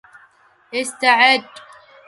إستعد